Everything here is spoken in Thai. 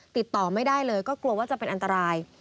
ติดต่อไม่ได้เลยก็กลัวว่าจะเป็นอันตราย